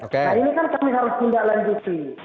nah ini kan kami harus menindaklanjuti